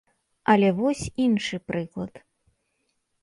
Але вось іншы прыклад.